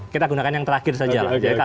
kita gunakan yang terakhir saja lah